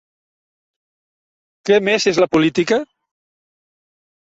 Què més és la política?